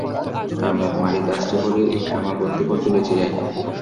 তার মুখ মাটিতে আছড়ে পড়ে ইকরামা পড়তে পড়তে বেঁচে যায়।